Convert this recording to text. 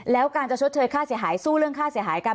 แล้วการจะชดเชยค่าเสียหายสู้เรื่องค่าเสียหายกัน